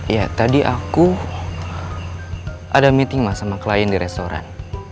ya tadi aku ada meeting mas sama klien di restoran